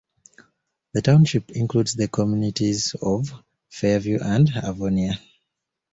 The township includes the communities of Fairview and Avonia.